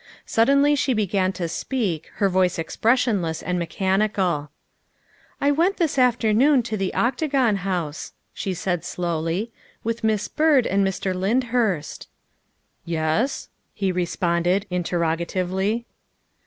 Suddenly she began to speak, her voice expres sionless and mechanical. " I went this afternoon to the Octagon House," she said slowly, " with Miss Byrd and Mr. Lyndhurst." " Yes?" he responded interrogatively.